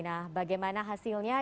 nah bagaimana hasilnya